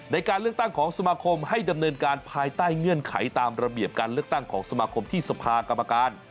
ในการเลือกตั้งของสมาคมให้ดำเนินการภายใต้เงื่อนไขตามระเบียบการเลือกตั้งของสมาคมที่สภากรรมการ